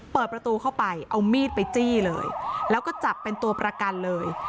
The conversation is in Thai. เปิดประตูเข้าไปเอามีดไปจี้เลยแล้วก็จับเป็นตัวประกันเลย